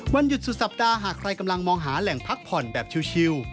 วันหยุดสุดสัปดาห์หากใครกำลังมองหาแหล่งพักผ่อนแบบชิล